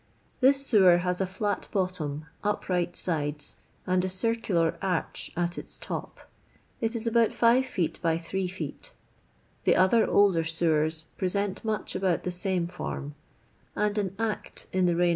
This sewer has a flat bottom, upright sides, and a circular areh at iu top ; it is about 5 feet by 8 feet The other older sewers present much about the same form; and an Act in the reign.